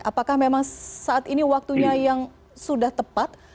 apakah memang saat ini waktunya yang sudah tepat